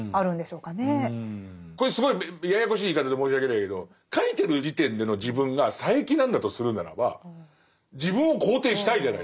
これすごいややこしい言い方で申し訳ないけど書いてる時点での自分が佐柄木なんだとするならば自分を肯定したいじゃないですか。